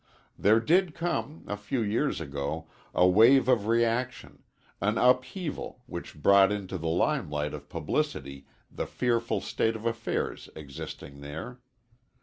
There did come, a few years ago, a wave of reaction, an upheaval which brought into the limelight of publicity the fearful state of affairs existing there.